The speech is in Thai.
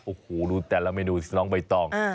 โอ้โหดูแต่ละเมนูน้องใบตอง